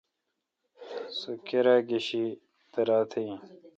سو کیرا گشی دیراتھ این۔